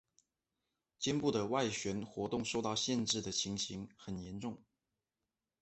肩部的外旋活动受到限制的情形最严重。